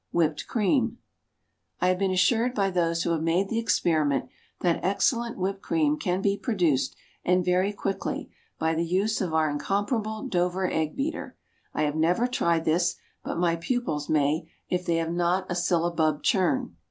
Whipped Cream. I have been assured by those who have made the experiment, that excellent whipped cream can be produced, and very quickly, by the use of our incomparable Dover Egg beater. I have never tried this, but my pupils may, if they have not a syllabub churn.